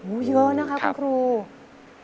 อู้เยอะนะครับคุณครูครับ